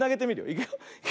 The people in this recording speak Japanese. いくよ。